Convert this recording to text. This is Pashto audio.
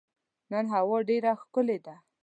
نن هوا ډېره ښکلې ده.